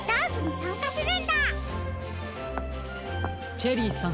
チェリーさん。